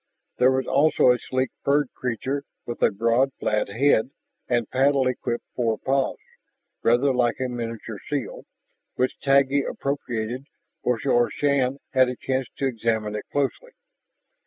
There was also a sleek furred creature with a broad flat head and paddle equipped forepaws, rather like a miniature seal, which Taggi appropriated before Shann had a chance to examine it closely.